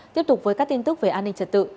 tiếp tục với các tin tức về an ninh trật tự